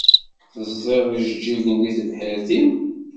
Teẓẓiḍ ijeǧǧigen deg tebḥirt-im?